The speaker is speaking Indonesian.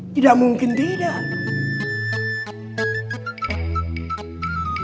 tidak mungkin tidak